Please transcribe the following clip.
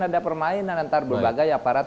ada permainan antar berbagai aparat